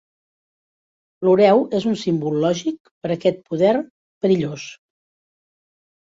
L'ureu és un símbol lògic per a aquest poder perillós.